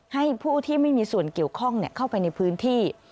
ให้ผู้ที่ไม่มีส่วนเกี่ยวข้องเข้าไปในพื้นที่